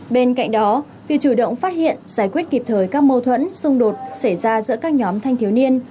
bên cạnh đó việc chủ động phát hiện giải quyết kịp thời các mâu thuẫn xung đột xảy ra giữa các nhóm thanh thiếu niên